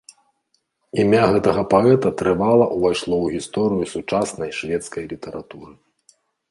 Імя гэтага паэта трывала ўвайшло ў гісторыю сучаснай шведскай літаратуры.